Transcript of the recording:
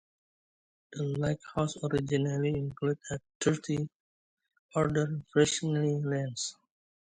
The lighthouse originally included a third-order Fresnel lens.